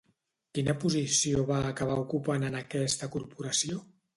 Quina posició va acabar ocupant en aquesta corporació?